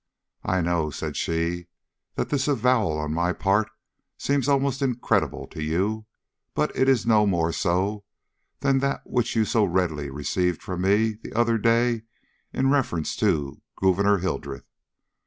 "I know," said she, "that this avowal on my part seems almost incredible to you; but it is no more so than that which you so readily received from me the other day in reference to Gouverneur Hildreth.